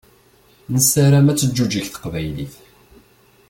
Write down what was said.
Nessaram ad teǧǧuǧeg teqbaylit.